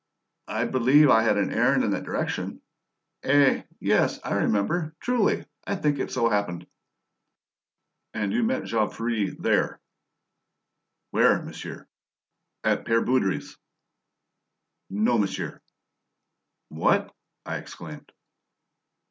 "I believe I had an errand in that direction. Eh? Yes, I remember. Truly, I think it so happened." "And you found Jean Ferret there?" "Where, monsieur?" "At Pere Baudry's." "No, monsieur." "What?" I exclaimed.